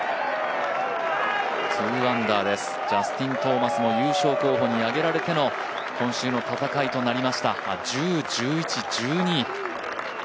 ２アンダーです、ジャスティン・トーマスも優勝候補に挙げられての今週の戦いとなりました。